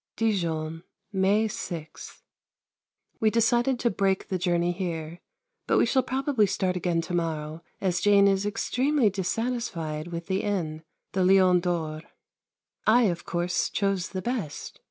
Dijon, May 6. We decided to break the journey here: but we shall probably start again to morrow, as Jane is extremely dissatisfied with the Inn, the Lion d'Or. I, of course, chose the best.